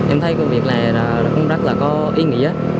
em thấy công việc này là cũng rất là có ý nghĩa